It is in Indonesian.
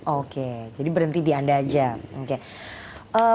oke jadi berhenti di anda aja oke